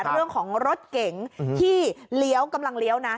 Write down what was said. เรื่องของรถเก๋งที่เลี้ยวกำลังเลี้ยวนะ